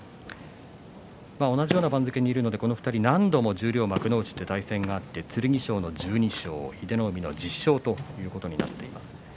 同じような番付にいるのでこの２人は何度も十両、幕内で対戦があって剣翔の１２勝英乃海の１０勝ということになっています。